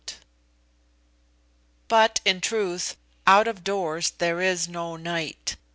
But, in truth, out of doors there is no night.